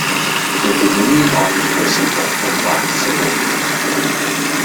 The Dominion Arms were simple and lacked supporters.